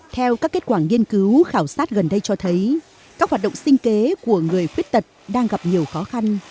theo các kết quả nghiên cứu khảo sát gần đây cho thấy các hoạt động sinh kế của người khuyết tật đang gặp nhiều khó khăn